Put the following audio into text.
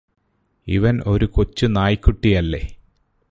ഇവന് ഒരു കൊച്ചു നായ്ക്കുട്ടിയല്ലേ